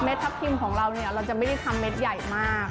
ทับทิมของเราเนี่ยเราจะไม่ได้ทำเม็ดใหญ่มาก